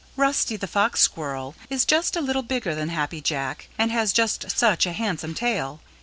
Rusty the Fox Squirrel is just a little bigger than Happy Jack and has just such a handsome tail.